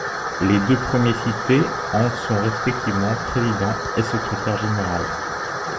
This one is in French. Les deux premiers cités en sont respectivement président et secrétaire général.